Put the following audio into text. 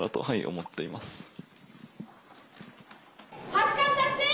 八冠達成